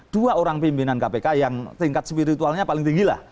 dua orang pimpinan kpk yang tingkat spiritualnya paling tinggi lah